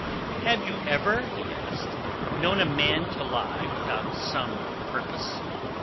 "Have you ever," he asked, "known a man to lie without some purpose?